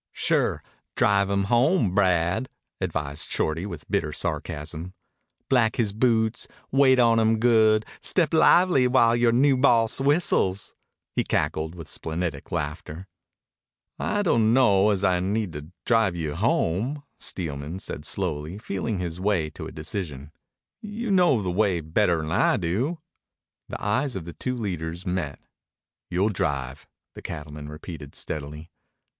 "Sure. Drive him home, Brad," advised Shorty with bitter sarcasm. "Black his boots. Wait on him good. Step lively when yore new boss whistles." He cackled with splenetic laughter. "I dunno as I need to drive you home," Steelman said slowly, feeling his way to a decision. "You know the way better'n I do." The eyes of the two leaders met. "You'll drive," the cattleman repeated steadily.